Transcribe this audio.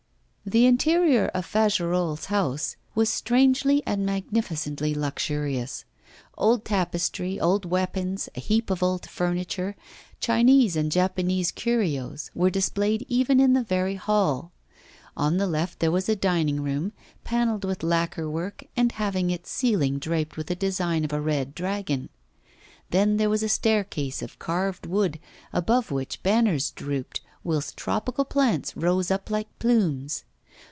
The interior of Fagerolles' house was strangely and magnificently luxurious. Old tapestry, old weapons, a heap of old furniture, Chinese and Japanese curios were displayed even in the very hall. On the left there was a dining room, panelled with lacquer work and having its ceiling draped with a design of a red dragon. Then there was a staircase of carved wood above which banners drooped, whilst tropical plants rose up like plumes.